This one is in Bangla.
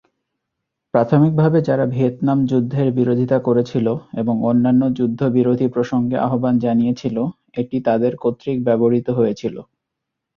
প্রাথমিকভাবে যারা ভিয়েতনাম যুদ্ধের বিরোধিতা করেছিল এবং অন্যান্য যুদ্ধ-বিরোধী প্রসঙ্গে আহবান জানিয়েছিল, এটি তাদের কর্তৃক ব্যবহৃত হয়েছিল।